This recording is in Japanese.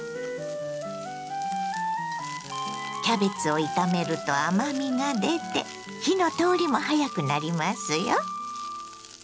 キャベツを炒めると甘みが出て火の通りも早くなりますよ。